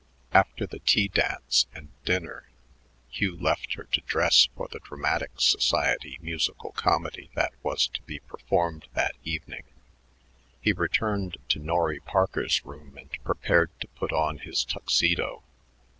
After the tea dance and dinner, Hugh left her to dress for the Dramatic Society musical comedy that was to be performed that evening. He returned to Norry Parker's room and prepared to put on his Tuxedo.